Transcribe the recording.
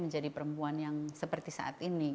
menjadi perempuan yang seperti saat ini